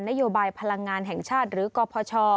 นโยบายพลังงานแห่งชาติหรือกพช